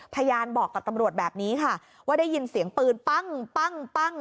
พยานบอกกับตำรวจแบบนี้ค่ะว่าได้ยินเสียงปืนปั้งปั้ง